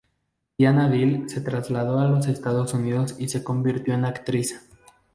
Diana Dill se trasladó a los Estados Unidos y se convirtió en actriz.